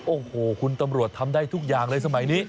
โอ้โหคุณตำรวจทำได้ทุกอย่างเลยสมัยนี้